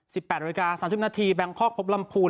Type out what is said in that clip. สิบแปดนาทีสามสิบนาทีแบงคอกพบลำพูน